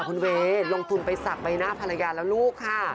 คุณเวย์ลงทุนไปสักใบหน้าภรรยาและลูกค่ะ